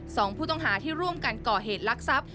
สองผู้ต้องหาที่ร่วมกันก่อเหตุลักษัพ